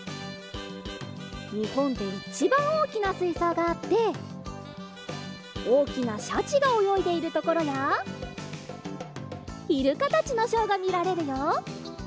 にほんでいちばんおおきなすいそうがあっておおきなシャチがおよいでいるところやイルカたちのショーがみられるよ。